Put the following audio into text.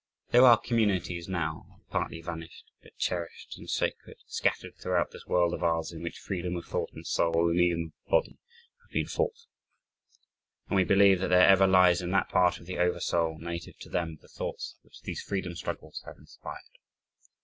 There are communities now, partly vanished, but cherished and sacred, scattered throughout this world of ours, in which freedom of thought and soul, and even of body, have been fought for. And we believe that there ever lives in that part of the over soul, native to them, the thoughts which these freedom struggles have inspired.